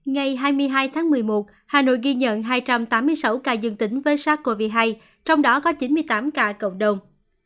ngày hai mươi hai tháng một mươi một hà nội ghi nhận hai trăm tám mươi sáu ca dương tính với sars cov hai trong đó có chín mươi tám ca cộng đồng